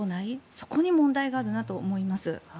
そこに問題があるなと思います。